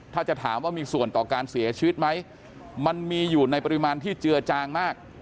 ถ้าจะถามว่ามีส่วนต่อการเสียชีวิตไหมมันมีอยู่ในปริมาณที่เจือจางมาก